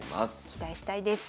期待したいです。